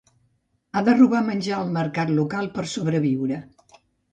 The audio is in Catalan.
Ha de robar menjar al mercat local per sobreviure.